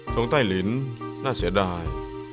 ช้องใต้หลินน่าเสียดาย